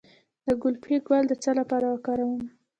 د ګلپي ګل د څه لپاره وکاروم؟